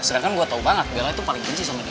sedangkan gue tau banget bella itu paling benci sama dia